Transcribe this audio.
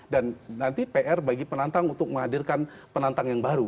dan nanti pr bagi penantang untuk menghadirkan penantang yang baru